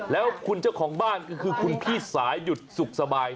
แล้วคุณเจ้าของบ้านก็คือคุณพี่สายุทธ์สุขสบาย